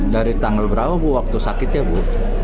dari tanggal berapa waktu sakit ya bu